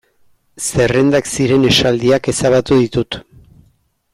Zerrendak ziren esaldiak ezabatu ditut.